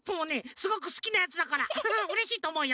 すごくすきなやつだからうれしいとおもうよ。